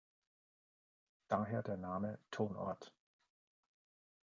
Daher der Name "Ton-Ort".